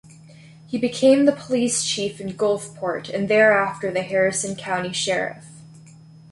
He became the police chief in Gulfport and thereafter the Harrison County sheriff.